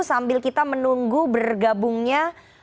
sambil kita menunggu bergabungnya